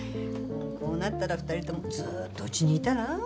こうなったら２人ともずーっとうちにいたら？